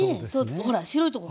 ほら白いとこ